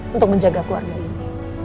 untuk menjaga keluarga ini